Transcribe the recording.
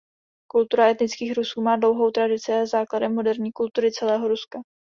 Kultura etnických Rusů má dlouhou tradici a je základem moderní kultury celého Ruska.